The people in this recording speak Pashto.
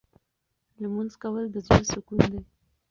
لمونځ کول د زړه سکون دی.